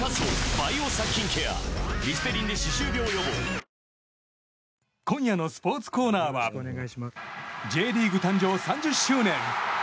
コリャ今夜のスポーツコーナーはＪリーグ誕生３０周年。